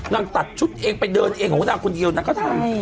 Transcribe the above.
นางไปเดินภูมิใดนางนางตัดชุดเองไปเดินเองโหนางคนเดียวนางก็ทำ